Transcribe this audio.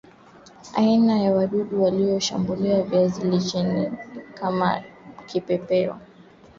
aina ya wadudu wanaoshambulia viazi lishe ni kama vipepeo